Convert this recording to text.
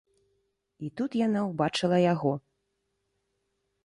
І тут яна ўбачыла яго.